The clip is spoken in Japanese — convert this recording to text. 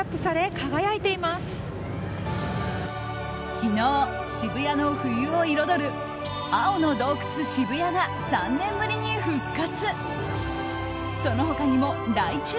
昨日、渋谷の冬を彩る青の洞窟ＳＨＩＢＵＹＡが３年ぶりに復活。